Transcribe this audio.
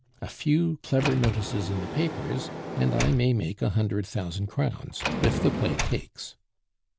A few clever notices in the papers, and I may make a hundred thousand crowns, if the play takes."